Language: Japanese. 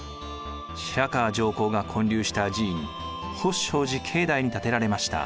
白河上皇が建立した寺院法勝寺境内に建てられました。